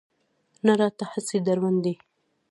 نه راته هسې دروند دی.